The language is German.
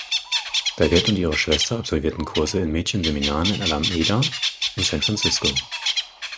Daggett und ihre Schwester absolvierten Kurse in Mädchenseminaren in Alameda und San Francisco.